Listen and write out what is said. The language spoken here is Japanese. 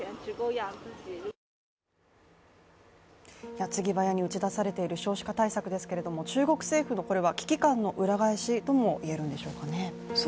矢継ぎ早に打ち出されている少子化対策ですけれども中国政府のこれは危機感の裏返しともいえるんでしょうかね。